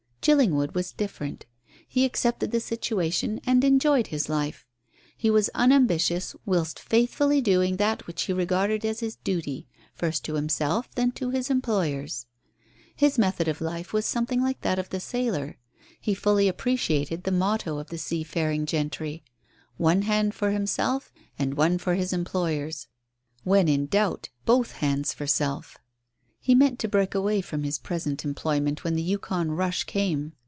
Chillingwood was different; he accepted the situation and enjoyed his life. He was unambitious whilst faithfully doing that which he regarded as his duty, first to himself, then to his employers. His method of life was something like that of the sailor. He fully appreciated the motto of the seafaring gentry one hand for himself and one for his employers. When in doubt both hands for self. He meant to break away from his present employment when the Yukon "rush" came.